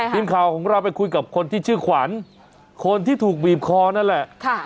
ทีมข่าวของเราไปคุยกับคนที่ชื่อขวัญคนที่ถูกบีบคอนั่นแหละ